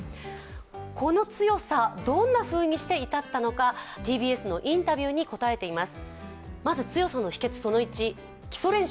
この強さ、どんなふうにして至ったのかＴＢＳのインタビューに答えています